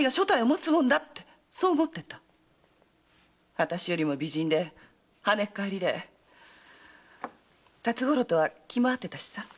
私よりも美人ではねっかえりで辰五郎とは気も合ってたしさ。